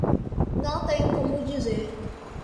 Não tenho como dizer